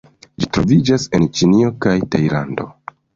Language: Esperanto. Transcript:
Ĝi troviĝas en Ĉinio kaj Tajlando.